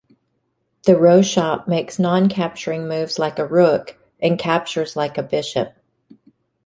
The Roshop makes non-capturing moves like a rook, and captures like a bishop.